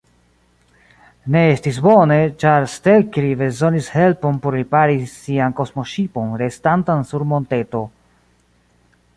Ne estis bone, ĉar Stelkri bezonis helpon por ripari sian kosmoŝipon restantan sur monteto.